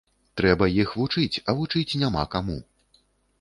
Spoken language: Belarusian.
Трэба іх вучыць, а вучыць няма каму.